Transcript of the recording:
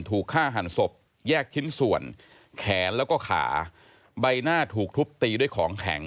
ถูกฆ่าหันศพแยกชิ้นส่วนแขนแล้วก็ขาใบหน้าถูกทุบตีด้วยของแข็ง